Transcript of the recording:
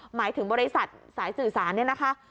หมายถึงบริษัทสายสื่อสารเนี่ยนะคะ